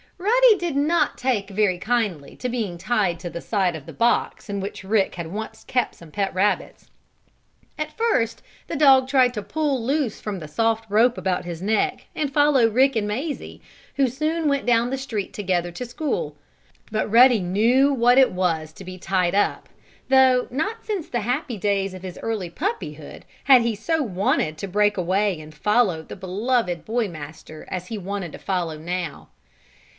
Ruddy did not take very kindly to being tied to the side of the box in which Rick had once kept some pet rabbits. At first the dog tried to pull loose from the soft rope about his neck, and follow Rick and Mazie, who soon went down the street together to school. But Ruddy knew what it was to be tied up, though not since the happy days of his early puppyhood had he so wanted to break away and follow the beloved boy master as he wanted to follow now.